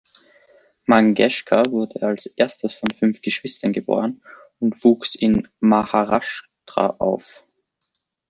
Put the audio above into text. Mangeshkar wurde als erstes von fünf Geschwistern geboren und wuchs in Maharashtra auf.